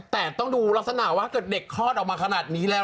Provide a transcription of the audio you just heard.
แต่ต้องดูลักษณะว่าเกิดเด็กคลอดออกมาขนาดนี้แล้ว